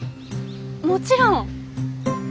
もちろん。